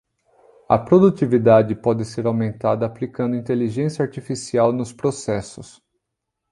A produtividade pode ser aumentada aplicando inteligência artificial nos processos